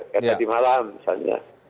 kata di malam misalnya